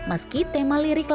aku akan berubah